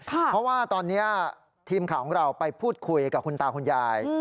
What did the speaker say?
เพราะว่าตอนนี้ทีมข่าวของเราไปพูดคุยกับคุณตาคุณยาย